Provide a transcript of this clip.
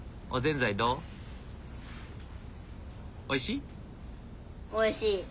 おいしい？